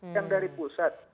yang dari pusat